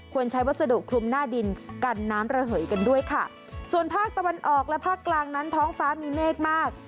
ใช้วัสดุคลุมหน้าดินกันน้ำระเหยกันด้วยค่ะส่วนภาคตะวันออกและภาคกลางนั้นท้องฟ้ามีเมฆมาก